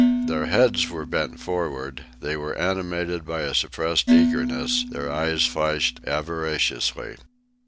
Their heads were bent forward, they were animated by a suppressed eagerness, their eyes flashed avariciously.